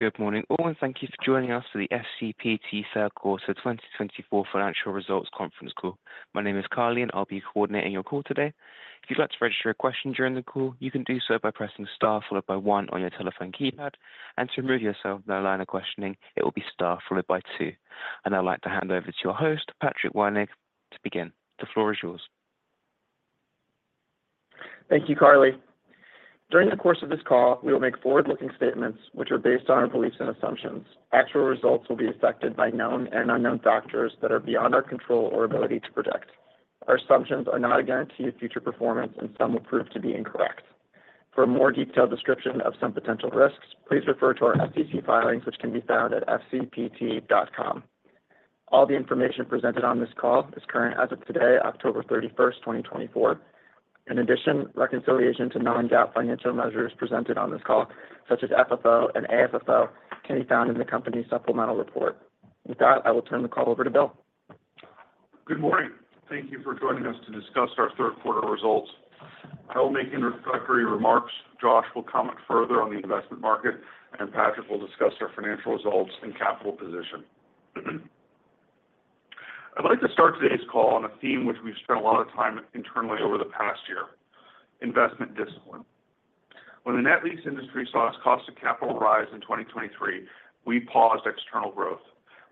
Good morning, all, and thank you for joining us for the FCPT Third Quarter 2024 Financial Results Conference Call. My name is Carley, and I'll be coordinating your call today. If you'd like to register a question during the call, you can do so by pressing star followed by one on your telephone keypad, and to remove yourself from the line of questioning, it will be star followed by two. And I'd like to hand over to your host, Patrick Wernig, to begin. The floor is yours. Thank you, Carley. During the course of this call, we will make forward-looking statements which are based on our beliefs and assumptions. Actual results will be affected by known and unknown factors that are beyond our control or ability to predict. Our assumptions are not a guarantee of future performance, and some will prove to be incorrect. For a more detailed description of some potential risks, please refer to our SEC filings, which can be found at fcpt.com. All the information presented on this call is current as of today, October 31st, 2024. In addition, reconciliation to non-GAAP financial measures presented on this call, such as FFO and AFFO, can be found in the company's supplemental report. With that, I will turn the call over to Bill. Good morning. Thank you for joining us to discuss our third quarter results. I'll make introductory remarks. Josh will comment further on the investment market, and Patrick will discuss our financial results and capital position. I'd like to start today's call on a theme which we've spent a lot of time internally over the past year: investment discipline. When the net lease industry saw its cost of capital rise in 2023, we paused external growth.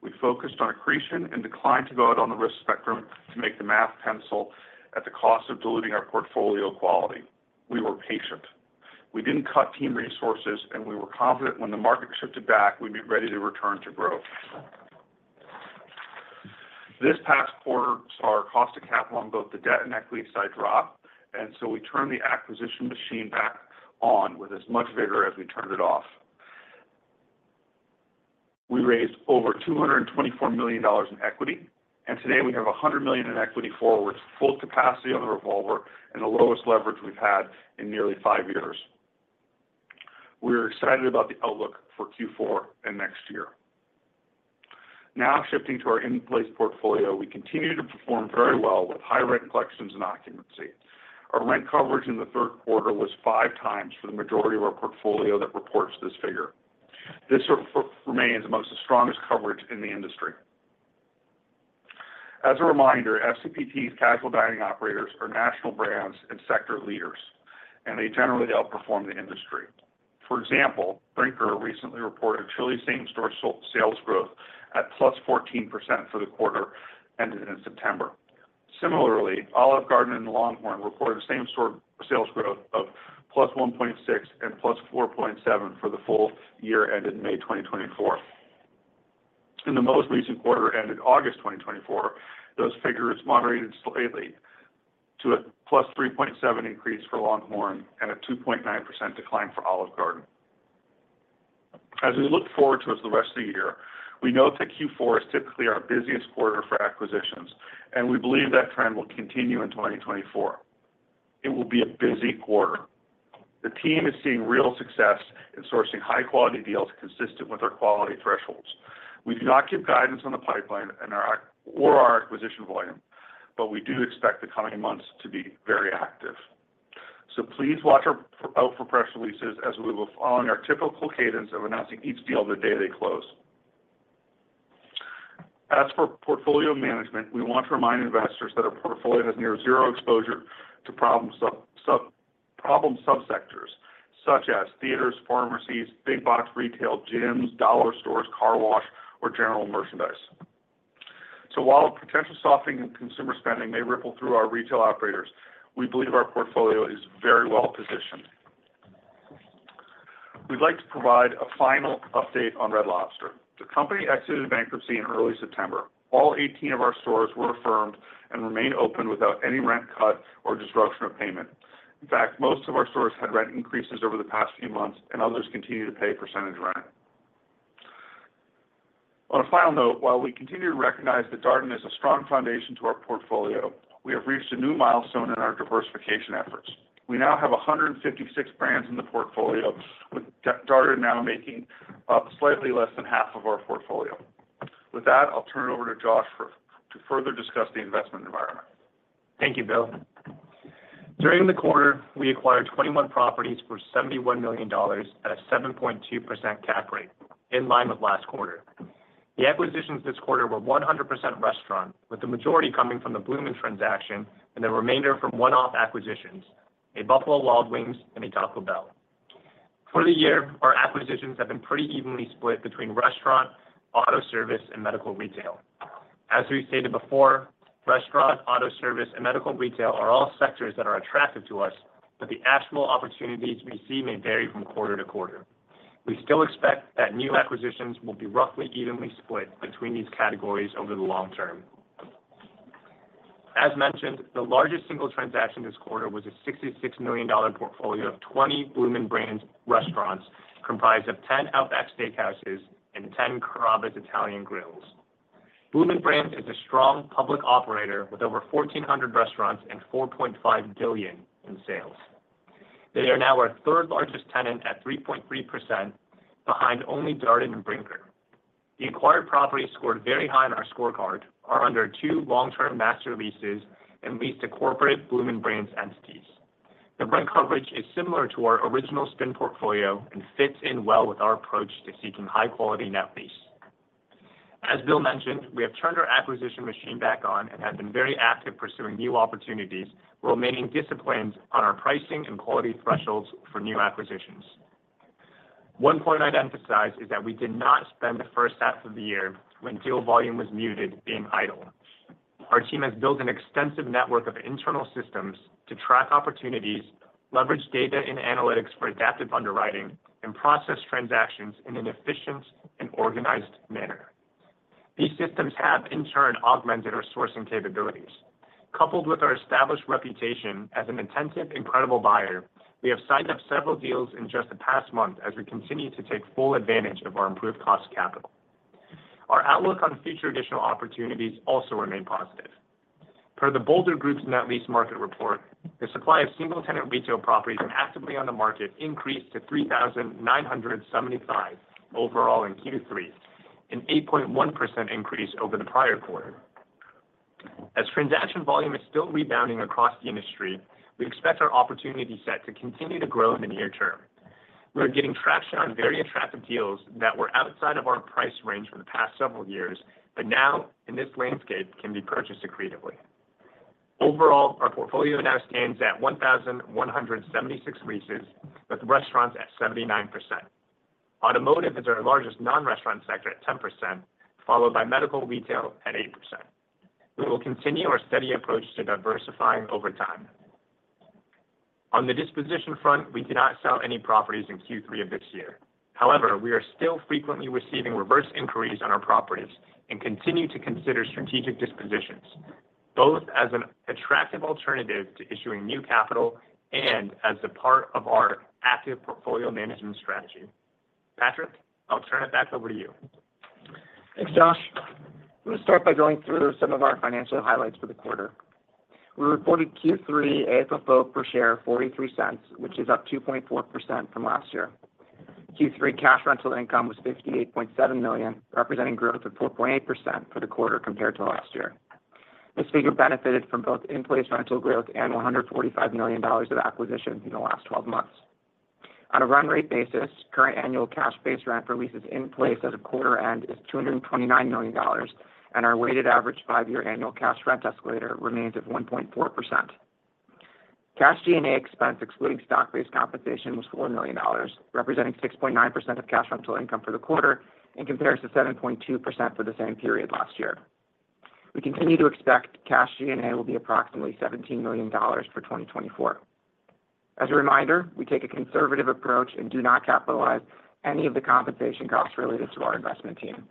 We focused on accretion and declined to go out on the risk spectrum to make the math pencil at the cost of diluting our portfolio quality. We were patient. We didn't cut team resources, and we were confident when the market shifted back, we'd be ready to return to growth. This past quarter saw our cost of capital on both the debt and equity side drop, and so we turned the acquisition machine back on with as much vigor as we turned it off. We raised over $224 million in equity, and today we have $100 million in equity forwards, full capacity on the revolver, and the lowest leverage we've had in nearly five years. We are excited about the outlook for Q4 and next year. Now shifting to our in-place portfolio, we continue to perform very well with high rent collections and occupancy. Our rent coverage in the third quarter was five times for the majority of our portfolio that reports this figure. This remains amongst the strongest coverage in the industry. As a reminder, FCPT's casual dining operators are national brands and sector leaders, and they generally outperform the industry. For example, Brinker recently reported Chili's Same Store sales growth at plus 14% for the quarter ended in September. Similarly, Olive Garden and LongHorn reported Same Store sales growth of plus 1.6% and plus 4.7% for the full year ended May 2024. In the most recent quarter ended August 2024, those figures moderated slightly to a plus 3.7% increase for LongHorn and a 2.9% decline for Olive Garden. As we look forward towards the rest of the year, we know that Q4 is typically our busiest quarter for acquisitions, and we believe that trend will continue in 2024. It will be a busy quarter. The team is seeing real success in sourcing high-quality deals consistent with our quality thresholds. We do not give guidance on the pipeline or our acquisition volume, but we do expect the coming months to be very active. So please watch out for press releases as we will be following our typical cadence of announcing each deal the day they close. As for portfolio management, we want to remind investors that our portfolio has near zero exposure to problem subsectors such as theaters, pharmacies, big box retail, gyms, dollar stores, car wash, or general merchandise. So while potential softening in consumer spending may ripple through our retail operators, we believe our portfolio is very well positioned. We'd like to provide a final update on Red Lobster. The company exited bankruptcy in early September. All 18 of our stores were affirmed and remain open without any rent cut or disruption of payment. In fact, most of our stores had rent increases over the past few months, and others continue to pay percentage rent. On a final note, while we continue to recognize that Darden is a strong foundation to our portfolio, we have reached a new milestone in our diversification efforts. We now have 156 brands in the portfolio, with Darden now making up slightly less than half of our portfolio. With that, I'll turn it over to Josh to further discuss the investment environment. Thank you, Bill. During the quarter, we acquired 21 properties for $71 million at a 7.2% cap rate, in line with last quarter. The acquisitions this quarter were 100% restaurant, with the majority coming from the Bloomin' Brands transaction and the remainder from one-off acquisitions, a Buffalo Wild Wings and a Taco Bell. For the year, our acquisitions have been pretty evenly split between restaurant, auto service, and medical retail. As we stated before, restaurant, auto service, and medical retail are all sectors that are attractive to us, but the actual opportunities we see may vary from quarter to quarter. We still expect that new acquisitions will be roughly evenly split between these categories over the long term. As mentioned, the largest single transaction this quarter was a $66 million portfolio of 20 Bloomin' Brands restaurants comprised of 10 Outback Steakhouses and 10 Carrabba's Italian Grills. Bloomin' Brands is a strong public operator with over 1,400 restaurants and $4.5 billion in sales. They are now our third-largest tenant at 3.3%, behind only Darden and Brinker. The acquired properties scored very high on our scorecard are under two long-term master leases and leased to corporate Bloomin' Brands entities. The rent coverage is similar to our original spin portfolio and fits in well with our approach to seeking high-quality net lease. As Bill mentioned, we have turned our acquisition machine back on and have been very active pursuing new opportunities, remaining disciplined on our pricing and quality thresholds for new acquisitions. One point I'd emphasize is that we did not spend the first half of the year when deal volume was muted being idle. Our team has built an extensive network of internal systems to track opportunities, leverage data and analytics for adaptive underwriting, and process transactions in an efficient and organized manner. These systems have, in turn, augmented our sourcing capabilities. Coupled with our established reputation as an attentive, incredible buyer, we have signed up several deals in just the past month as we continue to take full advantage of our improved cost of capital. Our outlook on future additional opportunities also remains positive. Per The Boulder Group's net lease market report, the supply of single-tenant retail properties actively on the market increased to 3,975 overall in Q3, an 8.1% increase over the prior quarter. As transaction volume is still rebounding across the industry, we expect our opportunity set to continue to grow in the near term. We are getting traction on very attractive deals that were outside of our price range for the past several years, but now, in this landscape, can be purchased accretively. Overall, our portfolio now stands at 1,176 leases, with restaurants at 79%. Automotive is our largest non-restaurant sector at 10%, followed by medical retail at 8%. We will continue our steady approach to diversifying over time. On the disposition front, we did not sell any properties in Q3 of this year. However, we are still frequently receiving reverse inquiries on our properties and continue to consider strategic dispositions, both as an attractive alternative to issuing new capital and as a part of our active portfolio management strategy. Patrick, I'll turn it back over to you. Thanks, Josh. I'm going to start by going through some of our financial highlights for the quarter. We reported Q3 AFFO per share of $0.43, which is up 2.4% from last year. Q3 cash rental income was $58.7 million, representing growth of 4.8% for the quarter compared to last year. This figure benefited from both in-place rental growth and $145 million of acquisitions in the last 12 months. On a run rate basis, current annual cash-based rent for leases in place at a quarter end is $229 million, and our weighted average five-year annual cash rent escalator remains at 1.4%. Cash G&A expense, excluding stock-based compensation, was $4 million, representing 6.9% of cash rental income for the quarter in comparison to 7.2% for the same period last year. We continue to expect cash G&A will be approximately $17 million for 2024. As a reminder, we take a conservative approach and do not capitalize any of the compensation costs related to our investment team.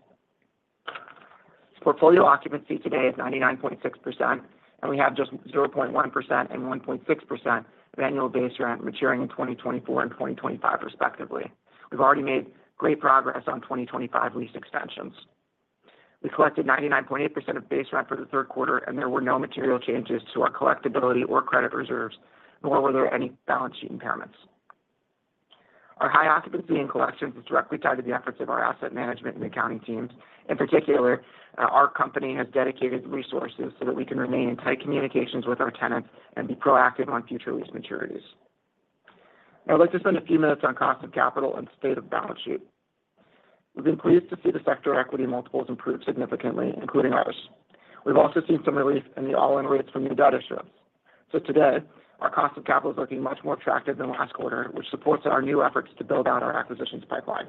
Portfolio occupancy today is 99.6%, and we have just 0.1% and 1.6% of annual base rent maturing in 2024 and 2025, respectively. We've already made great progress on 2025 lease extensions. We collected 99.8% of base rent for the third quarter, and there were no material changes to our collectibility or credit reserves, nor were there any balance sheet impairments. Our high occupancy in collections is directly tied to the efforts of our asset management and accounting teams. In particular, our company has dedicated resources so that we can remain in tight communications with our tenants and be proactive on future lease maturities. Now, I'd like to spend a few minutes on cost of capital and state of balance sheet. We've been pleased to see the sector equity multiples improve significantly, including ours. We've also seen some relief in the all-in rates for new debt issuance. So today, our cost of capital is looking much more attractive than last quarter, which supports our new efforts to build out our acquisitions pipeline.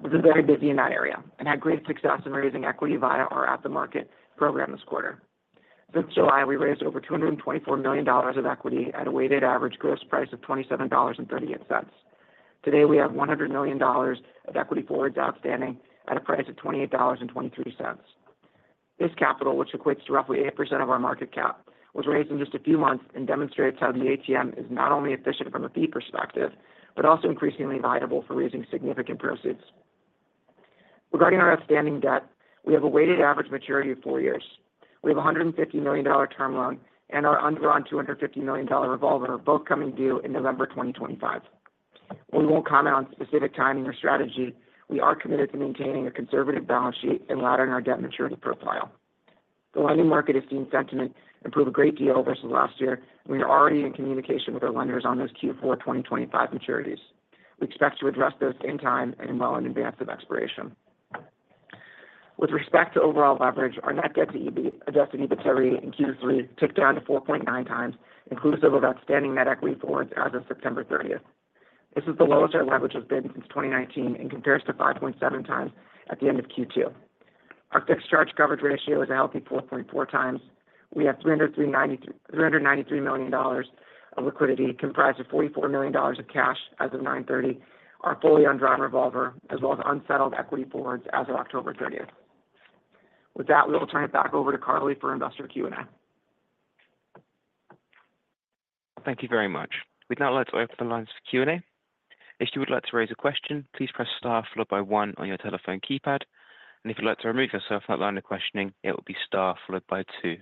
We've been very busy in that area and had great success in raising equity via our at-the-market program this quarter. Since July, we raised over $224 million of equity at a weighted average gross price of $27.38. Today, we have $100 million of equity forwards outstanding at a price of $28.23. This capital, which equates to roughly 8% of our market cap, was raised in just a few months and demonstrates how the ATM is not only efficient from a fee perspective but also increasingly viable for raising significant proceeds. Regarding our outstanding debt, we have a weighted average maturity of four years. We have a $150 million term loan and our underwritten $250 million revolver, both coming due in November 2025. While we won't comment on specific timing or strategy, we are committed to maintaining a conservative balance sheet and laddering our debt maturity profile. The lending market has seen sentiment improve a great deal versus last year, and we are already in communication with our lenders on those Q4 2025 maturities. We expect to address those in time and well in advance of expiration. With respect to overall leverage, our net debt to adjusted EBITDA in Q3 ticked down to 4.9 times, inclusive of outstanding net equity forwards as of September 30th. This is the lowest our leverage has been since 2019 and compares to 5.7 times at the end of Q2. Our fixed charge coverage ratio is a healthy 4.4 times. We have $393 million of liquidity comprised of $44 million of cash as of 9/30, our fully underwritten revolver, as well as unsettled equity forwards as of October 30th. With that, we will turn it back over to Carley for investor Q&A. Thank you very much. With that, I'd like to open the lines for Q&A. If you would like to raise a question, please press star followed by one on your telephone keypad, and if you'd like to remove yourself from the line of questioning, it will be star followed by two.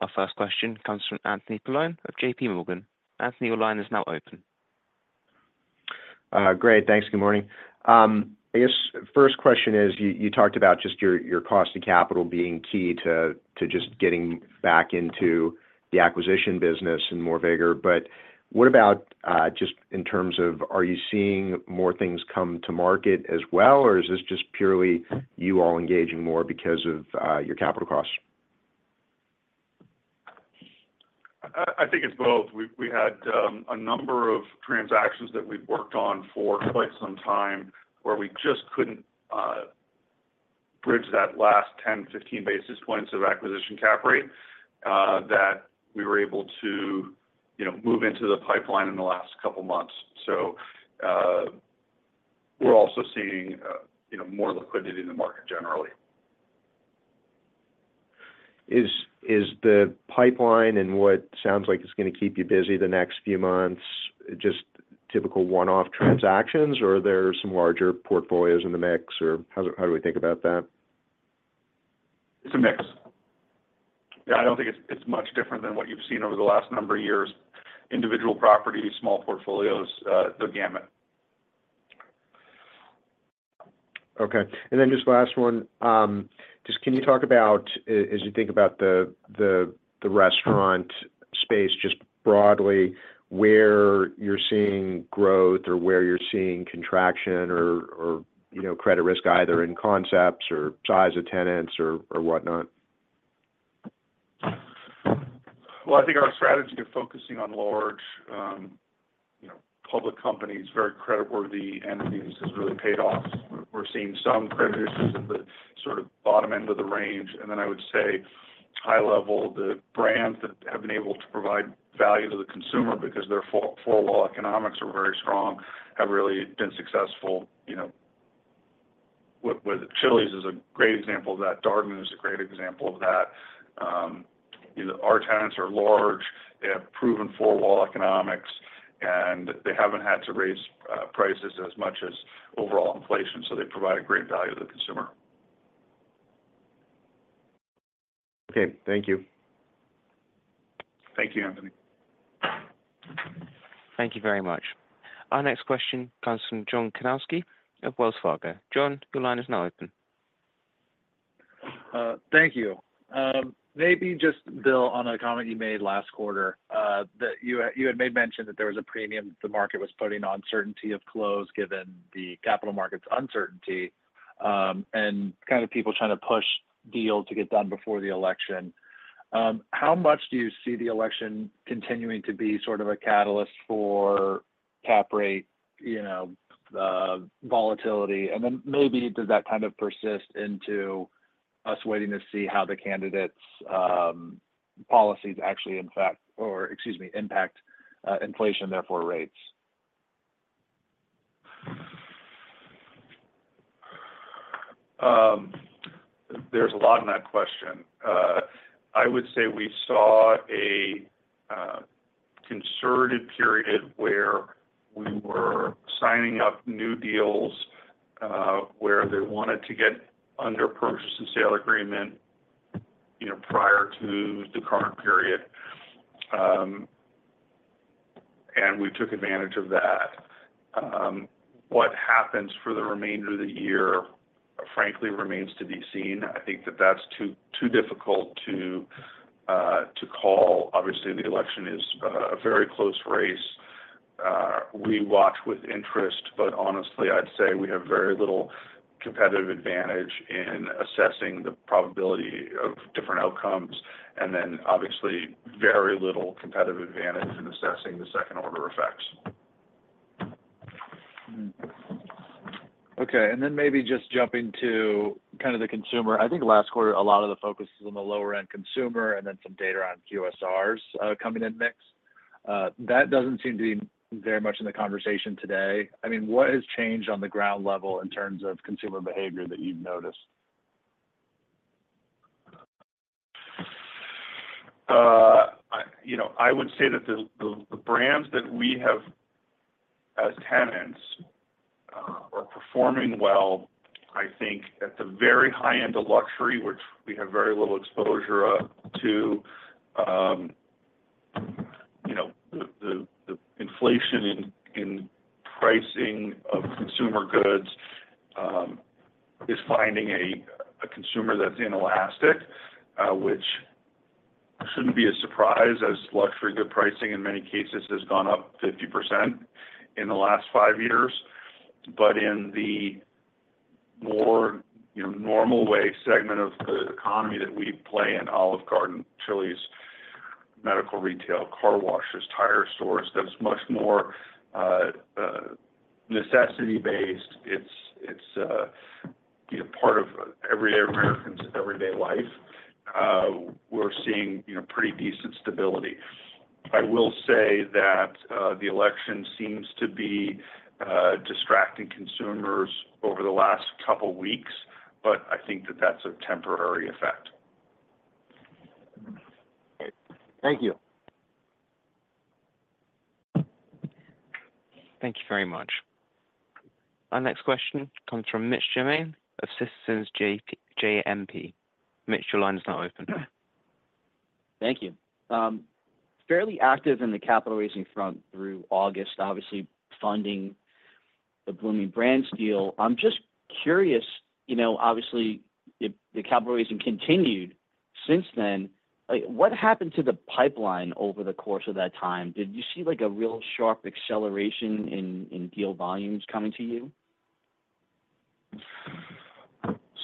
Our first question comes from Anthony Paolone of J.P. Morgan. Anthony, your line is now open. Great. Thanks. Good morning. I guess first question is you talked about just your cost of capital being key to just getting back into the acquisition business in more vigor. But what about just in terms of, are you seeing more things come to market as well, or is this just purely you all engaging more because of your capital costs? I think it's both. We had a number of transactions that we've worked on for quite some time where we just couldn't bridge that last 10-15 basis points of acquisition cap rate that we were able to move into the pipeline in the last couple of months. So we're also seeing more liquidity in the market generally. Is the pipeline and what sounds like it's going to keep you busy the next few months just typical one-off transactions, or are there some larger portfolios in the mix, or how do we think about that? It's a mix. Yeah, I don't think it's much different than what you've seen over the last number of years. Individual properties, small portfolios, the gamut. Okay. And then, just last one, just can you talk about, as you think about the restaurant space just broadly, where you're seeing growth or where you're seeing contraction or credit risk, either in concepts or size of tenants or whatnot? I think our strategy of focusing on large public companies, very creditworthy entities, has really paid off. We're seeing some credit issues at the sort of bottom end of the range. Then I would say high level, the brands that have been able to provide value to the consumer because their four-wall economics are very strong have really been successful. Chili's is a great example of that. Darden is a great example of that. Our tenants are large. They have proven four-wall economics, and they haven't had to raise prices as much as overall inflation. They provide great value to the consumer. Okay. Thank you. Thank you, Anthony. Thank you very much. Our next question comes from John Kilichowski of Wells Fargo. John, your line is now open. Thank you. Maybe just, Bill, on a comment you made last quarter, that you had made mention that there was a premium the market was putting on certainty of close given the capital markets uncertainty and kind of people trying to push deals to get done before the election. How much do you see the election continuing to be sort of a catalyst for cap rate volatility? And then maybe does that kind of persist into us waiting to see how the candidate's policies actually impact inflation, therefore rates? There's a lot in that question. I would say we saw a concerted period where we were signing up new deals where they wanted to get under purchase and sale agreement prior to the current period, and we took advantage of that. What happens for the remainder of the year, frankly, remains to be seen. I think that that's too difficult to call. Obviously, the election is a very close race. We watch with interest, but honestly, I'd say we have very little competitive advantage in assessing the probability of different outcomes and then, obviously, very little competitive advantage in assessing the second-order effects. Okay. And then maybe just jumping to kind of the consumer. I think last quarter, a lot of the focus was on the lower-end consumer and then some data on QSRs coming in mix. That doesn't seem to be very much in the conversation today. I mean, what has changed on the ground level in terms of consumer behavior that you've noticed? I would say that the brands that we have as tenants are performing well. I think at the very high end of luxury, which we have very little exposure to, the inflation in pricing of consumer goods is finding a consumer that's inelastic, which shouldn't be a surprise as luxury good pricing in many cases has gone up 50% in the last five years. But in the more normal way segment of the economy that we play in, Olive Garden, Chili's, medical retail, car washes, tire stores, that's much more necessity-based. It's part of everyday Americans' everyday life. We're seeing pretty decent stability. I will say that the election seems to be distracting consumers over the last couple of weeks, but I think that that's a temporary effect. Thank you. Thank you very much. Our next question comes from Mitch Germain of Citizens JMP. Mitch, your line is now open. Thank you. Fairly active in the capital raising front through August, obviously funding the Bloomin' Brands deal. I'm just curious, obviously, the capital raising continued since then. What happened to the pipeline over the course of that time? Did you see a real sharp acceleration in deal volumes coming to you?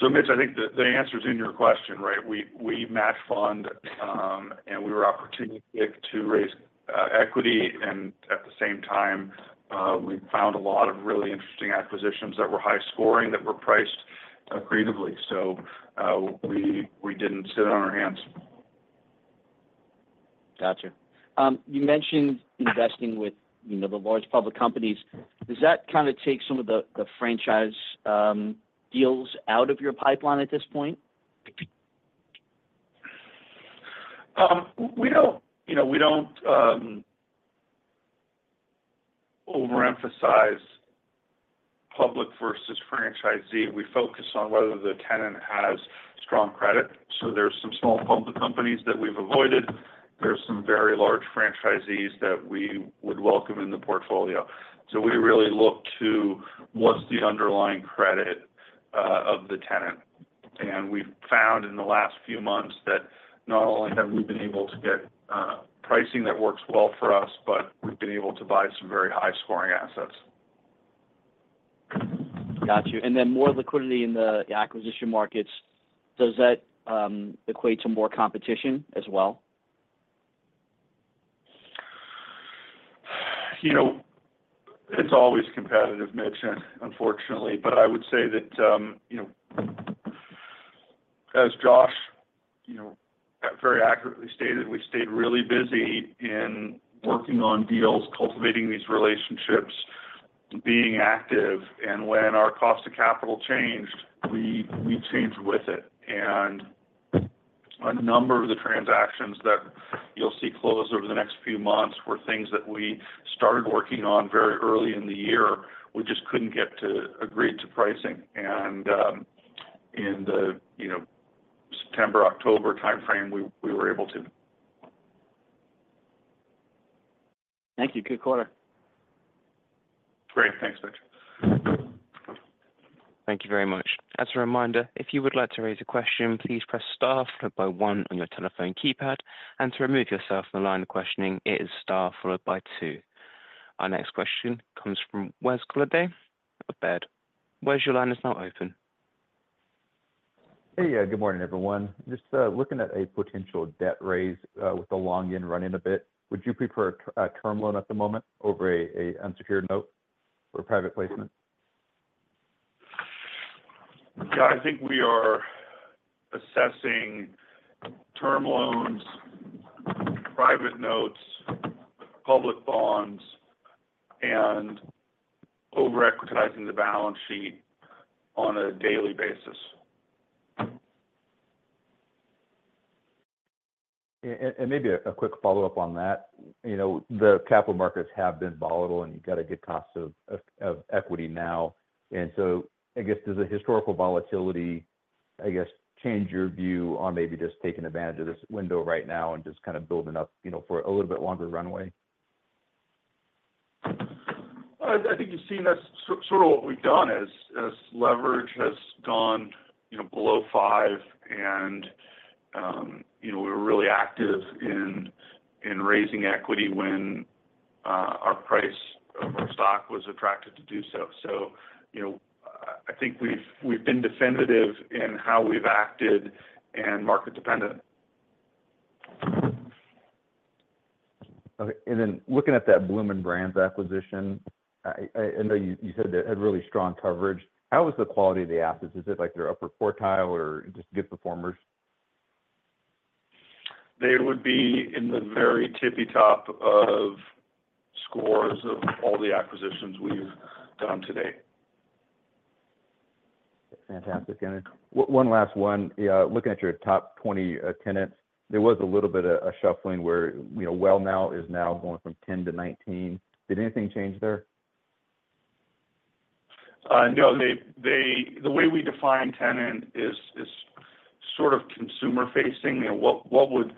So Mitch, I think the answer is in your question, right? We match fund, and we were opportunistic to raise equity. And at the same time, we found a lot of really interesting acquisitions that were high-scoring that were priced creatively. So we didn't sit on our hands. Gotcha. You mentioned investing with the large public companies. Does that kind of take some of the franchise deals out of your pipeline at this point? We don't overemphasize public versus franchisee. We focus on whether the tenant has strong credit. So there's some small public companies that we've avoided. There's some very large franchisees that we would welcome in the portfolio. So we really look to what's the underlying credit of the tenant. And we've found in the last few months that not only have we been able to get pricing that works well for us, but we've been able to buy some very high-scoring assets. Gotcha. And then more liquidity in the acquisition markets, does that equate to more competition as well? It's always competitive, Mitch, unfortunately. But I would say that, as Josh very accurately stated, we stayed really busy in working on deals, cultivating these relationships, being active. And when our cost of capital changed, we changed with it. And a number of the transactions that you'll see close over the next few months were things that we started working on very early in the year. We just couldn't get to agreed-to pricing. And in the September, October timeframe, we were able to. Thank you. Good quarter. Great. Thanks, Mitch. Thank you very much. As a reminder, if you would like to raise a question, please press star followed by one on your telephone keypad. And to remove yourself from the line of questioning, it is star followed by two. Our next question comes from Wesley Golladay, Baird. Wells, your line is now open. Hey, good morning, everyone. Just looking at a potential debt raise with the long end running a bit. Would you prefer a term loan at the moment over an unsecured note or a private placement? Yeah, I think we are assessing term loans, private notes, public bonds, and overleveraging the balance sheet on a daily basis. And maybe a quick follow-up on that. The capital markets have been volatile, and you've got a good cost of equity now. And so I guess, does the historical volatility, I guess, change your view on maybe just taking advantage of this window right now and just kind of building up for a little bit longer runway? I think you've seen that's sort of what we've done as leverage has gone below five. And we were really active in raising equity when the price of our stock was attractive to do so. So I think we've been definitive in how we've acted and market-dependent. Okay. And then looking at that Bloomin' Brands acquisition, I know you said that it had really strong coverage. How is the quality of the assets? Is it like they're upper quartile or just good performers? They would be in the very tippy top of scores of all the acquisitions we've done today. Fantastic, and one last one. Looking at your top 20 tenants, there was a little bit of a shuffling where WellNow is now going from 10 to 19. Did anything change there? No. The way we define tenant is sort of consumer-facing. What would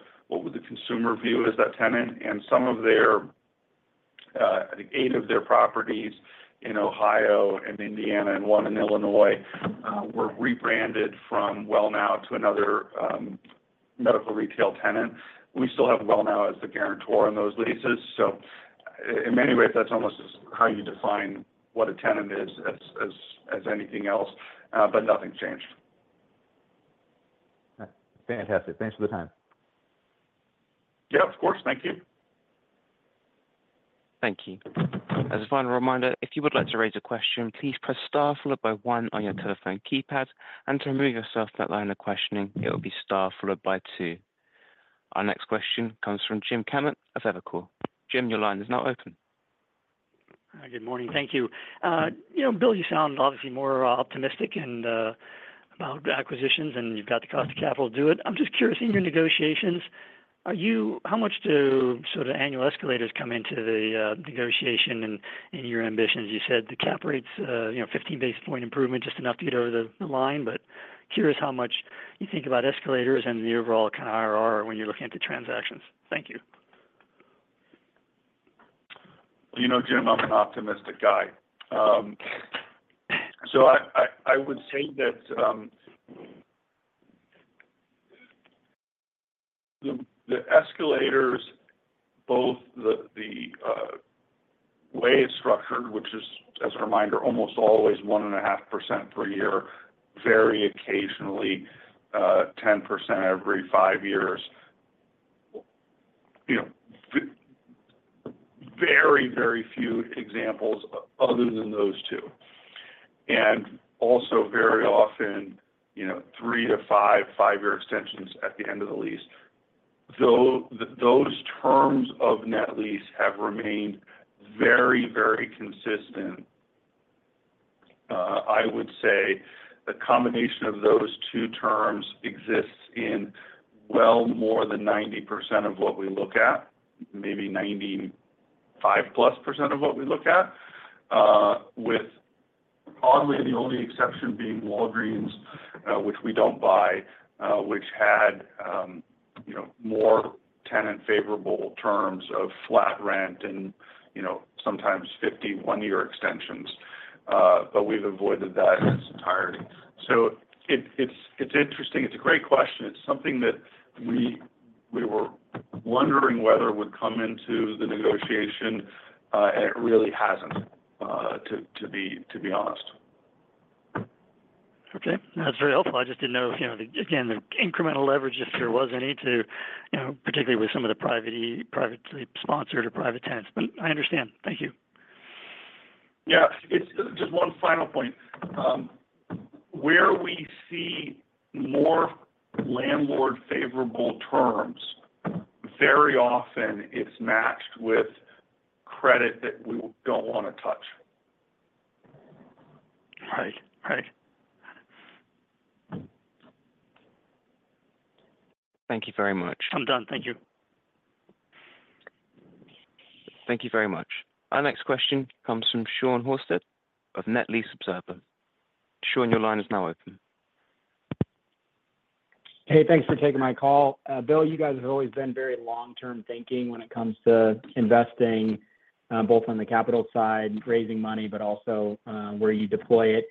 the consumer view as that tenant? And some of their, I think, eight of their properties in Ohio and Indiana and one in Illinois were rebranded from WellNow to another medical retail tenant. We still have WellNow as the guarantor on those leases. So in many ways, that's almost how you define what a tenant is as anything else, but nothing's changed. Fantastic. Thanks for the time. Yeah, of course. Thank you. Thank you. As a final reminder, if you would like to raise a question, please press star followed by one on your telephone keypad. And to remove yourself from that line of questioning, it will be star followed by two. Our next question comes from Jim Kammert of Evercore ISI. Jim, your line is now open. Hi, good morning. Thank you. Bill, you sound obviously more optimistic about acquisitions, and you've got the cost of capital to do it. I'm just curious, in your negotiations, how much do sort of annual escalators come into the negotiation and your ambitions? You said the cap rates, 15 basis point improvement, just enough to get over the line. But curious how much you think about escalators and the overall kind of RRR when you're looking at the transactions? Thank you. You know, Jim, I'm an optimistic guy. I would say that the escalators, both the way it's structured, which is, as a reminder, almost always 1.5% per year, very occasionally 10% every five years, very, very few examples other than those two. And also very often, three to five five-year extensions at the end of the lease. Those terms of net lease have remained very, very consistent. I would say the combination of those two terms exists in well more than 90% of what we look at, maybe 95% plus of what we look at, with oddly the only exception being Walgreens, which we don't buy, which had more tenant-favorable terms of flat rent and sometimes 50 one-year extensions. We've avoided that in its entirety. It's interesting. It's a great question. It's something that we were wondering whether it would come into the negotiation, and it really hasn't, to be honest. Okay. That's very helpful. I just didn't know, again, the incremental leverage, if there was any, particularly with some of the privately sponsored or private tenants. But I understand. Thank you. Yeah. Just one final point. Where we see more landlord-favorable terms, very often it's matched with credit that we don't want to touch. Right. Right. Thank you very much. I'm done. Thank you. Thank you very much. Our next question comes from Sean Horsted of Net Lease Observer. Sean, your line is now open. Hey, thanks for taking my call. Bill, you guys have always been very long-term thinking when it comes to investing, both on the capital side, raising money, but also where you deploy it.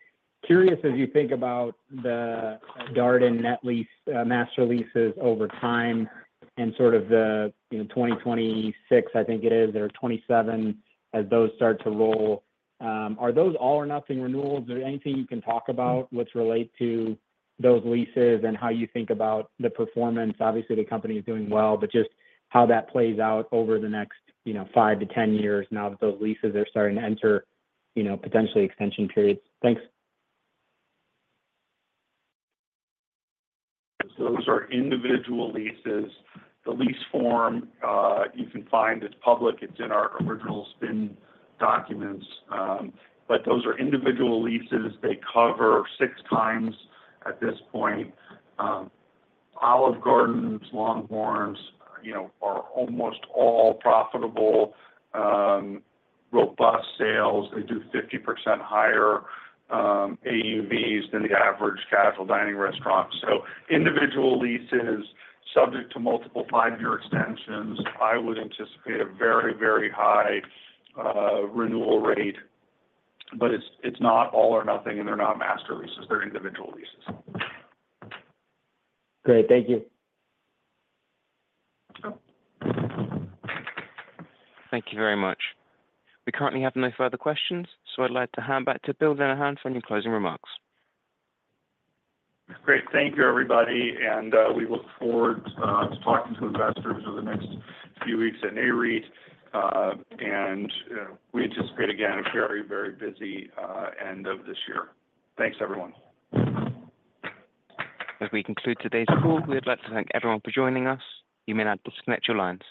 Curious, as you think about the Darden net lease master leases over time and sort of the 2026, I think it is, or 2027, as those start to roll, are those all-or-nothing renewals? Is there anything you can talk about what's related to those leases and how you think about the performance? Obviously, the company is doing well, but just how that plays out over the next 5 to 10 years now that those leases are starting to enter potentially extension periods. Thanks. So those are individual leases. The lease form, you can find, it's public. It's in our original spin documents. But those are individual leases. They cover six times at this point. Olive Garden's LongHorn's are almost all profitable, robust sales. They do 50% higher AUVs than the average casual dining restaurant. So individual leases subject to multiple five-year extensions. I would anticipate a very, very high renewal rate. But it's not all or nothing, and they're not master leases. They're individual leases. Great. Thank you. Thank you very much. We currently have no further questions. So I'd like to hand back to Bill Lenehan for any closing remarks. Great. Thank you, everybody. And we look forward to talking to investors over the next few weeks at Nareit. And we anticipate, again, a very, very busy end of this year. Thanks, everyone. As we conclude today's call, we'd like to thank everyone for joining us. You may now disconnect your lines.